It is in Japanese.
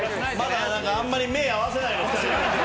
まだあんまり目合わせない２人。